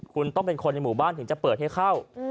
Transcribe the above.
คุณต้องเป็นคนในหมู่บ้านถึงจะเปิดให้เข้า